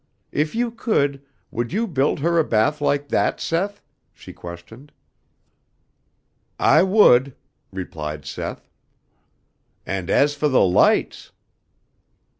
If you could, would you build her a bath like that, Seth?" she questioned. "I would," replied Seth, "and as fo' the lights!"